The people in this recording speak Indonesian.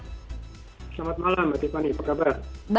selamat malam mbak tiffany apa kabar